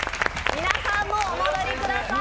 皆さんもお戻りください。